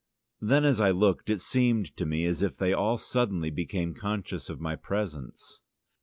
Then, as I looked, it seemed to me as if they all suddenly became conscious of my presence.